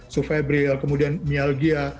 sufebrial kemudian myalgia